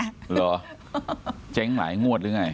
เหรอเจ๊งหลายงวดหรือไง